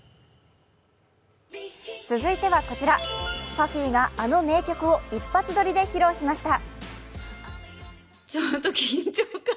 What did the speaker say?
続いてはこちら、ＰＵＦＦＹがあの名曲を一発撮りで披露しました。